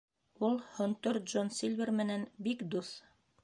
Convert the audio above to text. Ул Һонтор Джон Сильвер менән бик дуҫ.